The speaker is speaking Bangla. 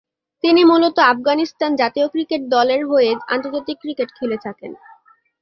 তিনি মূলত আফগানিস্তান জাতীয় ক্রিকেট দল এর হয়ে আন্তর্জাতিক ক্রিকেট খেলে থাকেন।